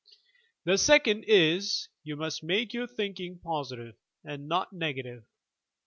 The second is: You must make your thinking positive and not negative.